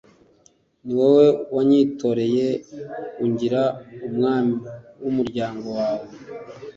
Ni wowe wanyitoreye, ungira umwami w’umuryango wawe,